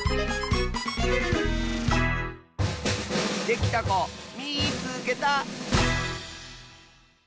できたこみいつけた！